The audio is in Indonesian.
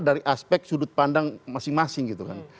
dari aspek sudut pandang masing masing gitu kan